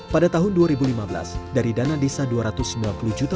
pada tahun dua ribu lima belas dari dana desa rp dua ratus sembilan puluh juta